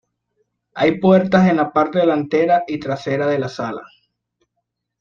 Hay puertas en la parte delantera y trasera de la sala.